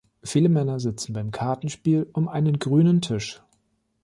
Viele Männer sitzen beim Kartenspiel um einen grünen Tisch.